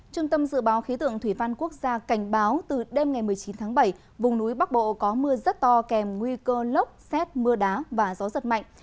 trung tâm dự báo khí tượng thủy văn quốc gia cảnh báo từ đêm ngày một mươi chín tháng bảy vùng núi bắc bộ có mưa rất to kèm nguy cơ lốc xét mưa đá và gió giật mạnh